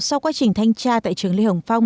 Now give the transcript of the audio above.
sau quá trình thanh tra tại trường lê hồng phong